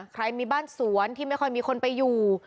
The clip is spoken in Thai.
ใครมีบ้านสวนที่ไม่ค่อยมีคนไปอยู่